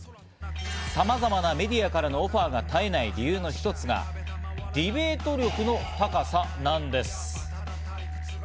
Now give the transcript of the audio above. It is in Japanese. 様々なメディアからのオファーが絶えない理由の一つが、ディベート力の高さなんです。